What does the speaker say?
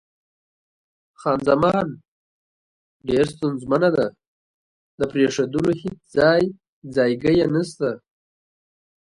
خان زمان: ډېره ستونزمنه ده، د پرېښودلو هېڅ ځای ځایګی یې نشته.